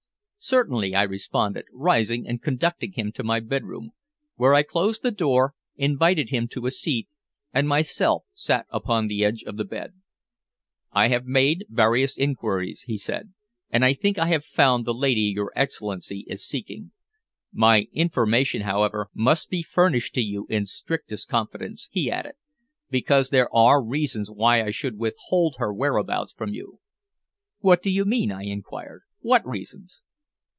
"Certainly," I responded, rising and conducting him to my bedroom, where I closed the door, invited him to a seat, and myself sat upon the edge of the bed. "I have made various inquiries," he said, "and I think I have found the lady your Excellency is seeking. My information, however, must be furnished to you in strictest confidence," he added, "because there are reasons why I should withhold her whereabouts from you." "What do you mean?" I inquired. "What reasons?"